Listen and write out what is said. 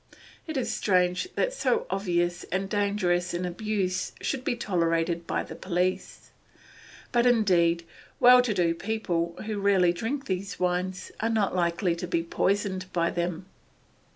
It is strange that so obvious and dangerous an abuse should be tolerated by the police. But indeed well to do people, who rarely drink these wines, are not likely to be poisoned by them.